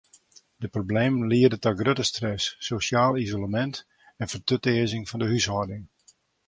De problemen liede ta grutte stress, sosjaal isolemint en fertutearzing fan de húshâlding.